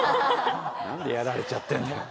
何でやられちゃってんだよ。